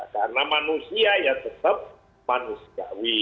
karena manusia ya tetap manusiawi